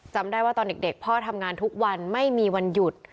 จำได้ว่าตอนเด็กพ่อทำงานทุกวันไม่มีวันหยุด